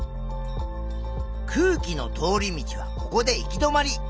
空気の通り道はここで行き止まり。